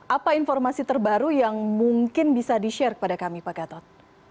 apa informasi terbaru yang mungkin bisa di share kepada kami pak gatot